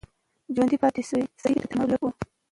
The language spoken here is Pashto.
ژوندي پاتې سوي سرتیري تر مړو لږ وو.